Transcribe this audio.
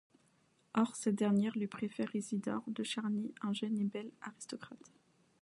Or, cette dernière lui préfère Isidore de Charny, un jeune et bel aristocrate.